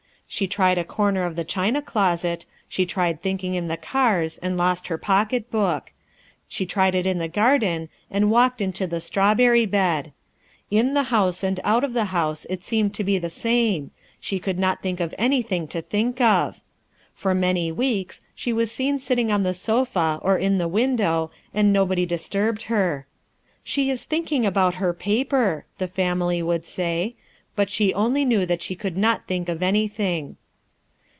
She tried a corner of the china closet. She tried thinking in the cars, and lost her pocket book; she tried it in the garden, and walked into the strawberry bed. In the house and out of the house, it seemed to be the same, she could not think of anything to think of. For many weeks she was seen sitting on the sofa or in the window, and nobody disturbed her. "She is thinking about her paper," the family would say, but she only knew that she could not think of anything.